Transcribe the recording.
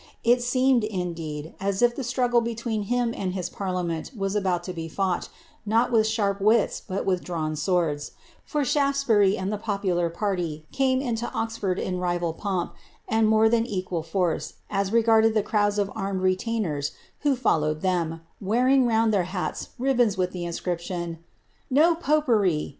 < indeed, as if the struggle between him and his parliament was « fought, not with sharp wits but drawn swords; for Shailes the popular party came into Oxford in rival pomp, and more I force, as regarded the crowds of armed retainers who followed ring round their hats ribbons with the inscription, ^^No popery